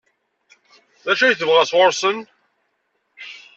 D acu i tebɣa sɣur-sen?